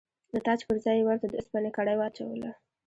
د تاج پر ځای یې ورته د اوسپنې کړۍ واچوله.